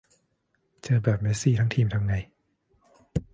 เจอแบบเมสซีทั้งทีมทำไง